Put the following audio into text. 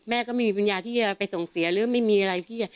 ก็ไม่มีปัญญาที่จะไปส่งเสียหรือไม่มีอะไรที่จะ